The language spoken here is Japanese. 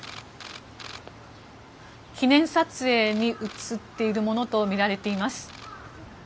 記念撮影に移っているものとみられています。